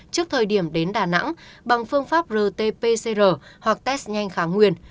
trước thời điểm đến đà nẵng bằng phương pháp rt pcr hoặc test nhanh kháng nguyên